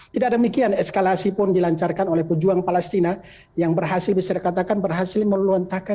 tidak demikian eskalasi pun dilancarkan oleh pejuang palestina yang berhasil bisa dikatakan berhasil meluntakan